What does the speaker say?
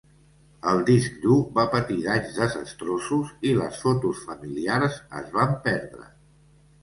El disc dur va patir danys desastrosos i les fotos familiars es van perdre.